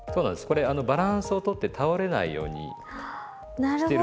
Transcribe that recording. これバランスを取って倒れないようにしてるんですけど。